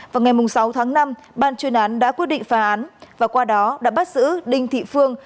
vào ngày sáu tháng năm ban chuyên án đã quyết định phá án và qua đó đã bắt giữ đinh thị phương